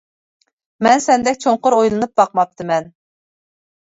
— مەن سەندەك چوڭقۇر ئويلىنىپ باقماپتىمەن.